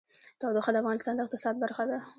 تودوخه د افغانستان د اقتصاد برخه ده.